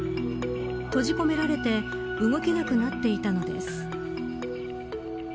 閉じ込められて動けなくなっていたのです。